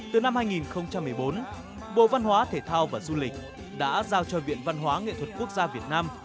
từ năm hai nghìn một mươi bốn bộ văn hóa thể thao và du lịch đã giao cho viện văn hóa nghệ thuật quốc gia việt nam